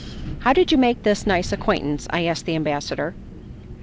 "How did you make this nice acquaintance?" I asked the ambassador.